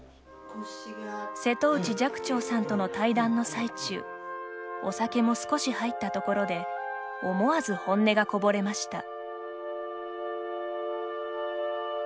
瀬戸内寂聴さんとの対談の最中お酒も少し入ったところで思わず本音がこぼれました。